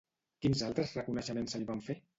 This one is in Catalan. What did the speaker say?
Quins altres reconeixements se li van fer?